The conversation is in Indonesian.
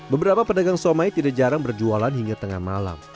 beberapa pedagang somai tidak jarang berjualan hingga tengah malam